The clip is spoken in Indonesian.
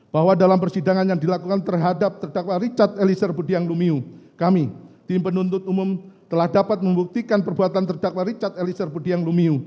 bahwa dalam persidangan yang dilakukan terhadap terdakwa richard elisir budiang lumiu kami tim penuntut umum telah dapat membuktikan perbuatan terdakwa richard elisir budiang lumiu